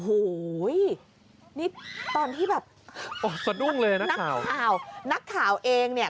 โอ้โหนี่ตอนที่แบบโอ้สะดุ้งเลยนะนักข่าวนักข่าวเองเนี่ย